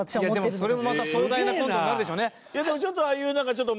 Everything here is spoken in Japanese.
それもまた壮大なコントになるんでしょうね。